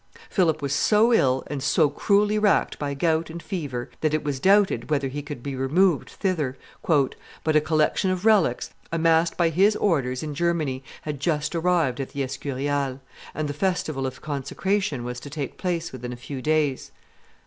Philip was so ill, and so cruelly racked by gout and fever, that it was doubted whether he could be removed thither; "but a collection of relics, amassed by his orders in Germany, had just arrived at the Escurial, and the festival of consecration was to take place within a few days.